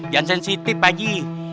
jangan sensitif pak ji